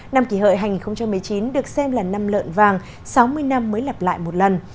năm kỳ hợi hai nghìn một mươi chín được xem là năm lợn vàng sáu mươi năm mới lặp lại một lần